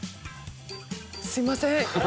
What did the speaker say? すいません！